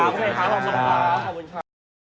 โอเครักคุณค่ะ